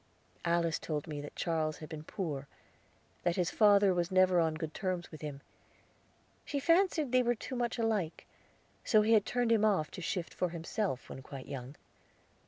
Alice told me that Charles had been poor; that his father was never on good terms with him. She fancied they were too much alike; so he had turned him off to shift for himself, when quite young.